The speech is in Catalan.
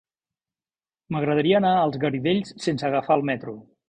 M'agradaria anar als Garidells sense agafar el metro.